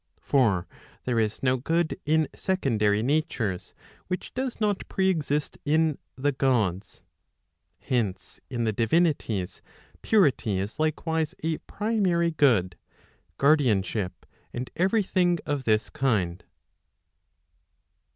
For there is no good in secondary natures which does not pre exist in the Gods. [Hence in the divinities purity is likewise a primary good, guardianship, and every thing of this kind.'